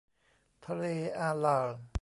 ทะเลอารัล